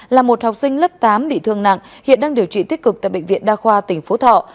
là một học sinh lớp tám bị thương nặng hiện đang điều trị tích cực tại bệnh viện đa khoa tỉnh phú thọ